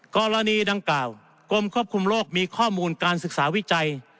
กรณีดังกล่าวกรมควบคุมโรคมีข้อมูลการศึกษาวิจัย